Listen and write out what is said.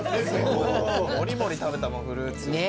もりもり食べたもんフルーツ。